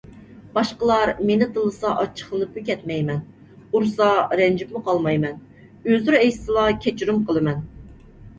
باشقىلار مېنى تىللىسا ئاچچىقلىنىپمۇ كەتمەيمەن. ئۇرسا رەنجىپمۇ قالمايمەن. ئۆزرە ئېيتسىلا، كەچۈرۈم قىلىمەن.